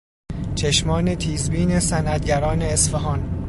چشمان تیزبین صنعتگران اصفهان